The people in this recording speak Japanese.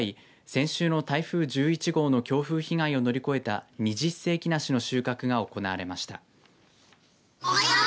先週の台風１１号の強風被害を乗り越えた二十世紀梨の収穫が行われました。